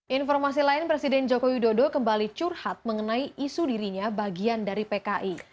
informasi lain presiden joko widodo kembali curhat mengenai isu dirinya bagian dari pki